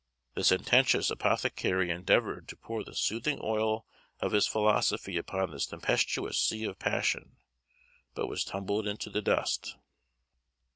The sententious apothecary endeavoured to pour the soothing oil of his philosophy upon this tempestuous sea of passion, but was tumbled into the dust.